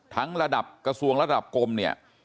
ระดับกระทรวงระดับกลมเนี่ย